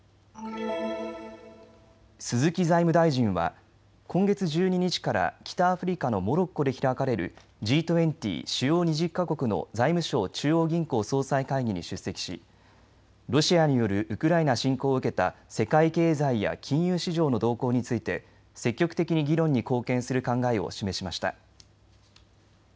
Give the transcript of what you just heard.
鈴木財務大臣は今月１２日から北アフリカのモロッコで開かれるＧ２０・主要２０か国の財務相・中央銀行総裁会議に出席しロシアによるウクライナ侵攻を受けた世界経済や金融市場の動向について積極的に議論に貢献する考えを示しました。